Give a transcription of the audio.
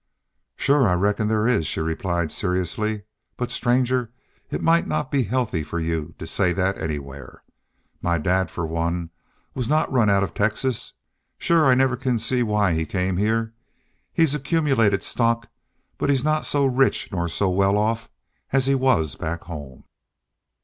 "Shore I reckon there is," she replied, seriously. "But, stranger, it might not be healthy for y'u to, say that anywhere. My dad, for one, was not run out of Texas. Shore I never can see why he came heah. He's accumulated stock, but he's not rich nor so well off as he was back home."